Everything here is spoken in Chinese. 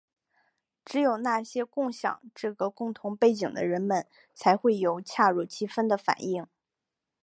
只有那些共享这个共同背景的人们才会有恰如其分的反应。